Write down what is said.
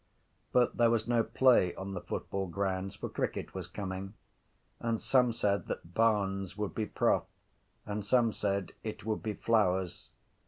But there was no play on the football grounds for cricket was coming: and some said that Barnes would be prof and some said it would be Flowers.